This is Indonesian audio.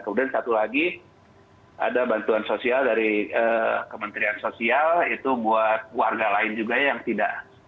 kemudian satu lagi ada bantuan sosial dari kementerian sosial itu buat warga lain juga yang tidak